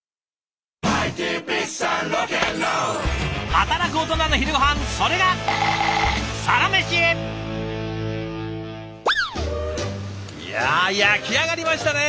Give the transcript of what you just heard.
働くオトナの昼ごはんそれがいや焼き上がりましたね！